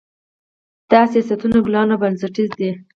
دا سیاستونه کلان او بنسټیز دي.